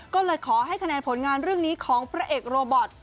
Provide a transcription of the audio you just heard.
ก็เลยขอให้คะแนนผลงานเรื่องนี้ของพระเอกโรบอท